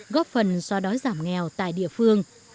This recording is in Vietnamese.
góp phần so đói giảm nghèo tại địa phương